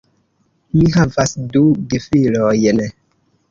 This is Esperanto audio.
Mi havas du gefilojn.